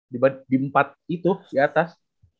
di empat itu di atas